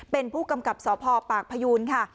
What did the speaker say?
เป็นผู้กำกับสพปากพยูนค่ะ